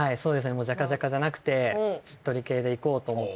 もうジャカジャカじゃなくてしっとり系でいこうと思って。